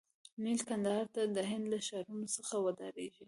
نیل کندهار ته د هند له ښارونو څخه واردیږي.